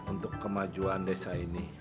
untuk kemajuan desa ini